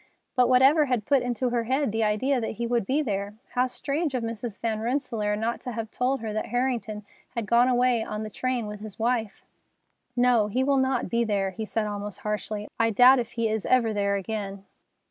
But whatever had put into her head the idea that he would be there? How strange of Mrs. Van Rensselaer not to have told her that Harrington had gone away on the train with his wife! "No, he will not be there!" he said almost harshly, "I doubt if he is ever there again."